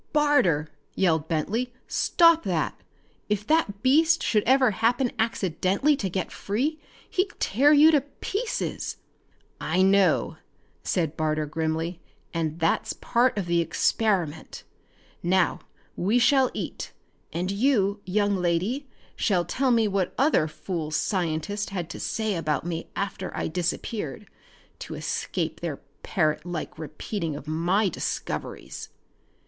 "Barter," yelled Bentley, "stop that! If that beast should ever happen accidentally to get free he'd tear you to pieces!" "I know," said Barter grimly, "and that's part of the experiment! Now we shall eat, and you, young lady, shall tell me what other fool scientists had to say about me after I disappeared to escape their parrot like repeating of my discoveries!"